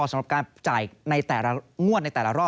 สำหรับการจ่ายงวดในแต่ละรอบ